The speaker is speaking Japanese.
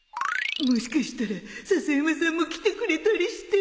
もしかしたら笹山さんも来てくれたりして